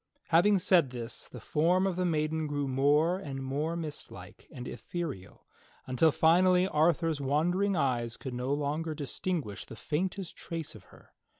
Having said this the form of the maiden grew more and more mist like and ethereal until finally Arthur's wondering eyes could no longer distinguish the faintest trace of her.